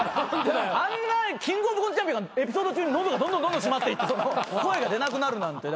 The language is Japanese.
あんなキングオブコントチャンピオンがエピソード中に喉がどんどん締まっていって声が出なくなるなんて。